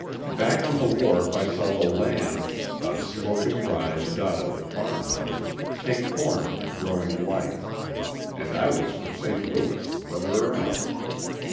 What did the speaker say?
Back of the wharf I saw the land, a sloping rise dotted with farmhouses, take form in the growing light; and I was for St. Louis whether or no.